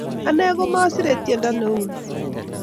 Anee komasirei tyendo neuni